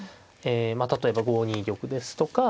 例えば５二玉ですとか。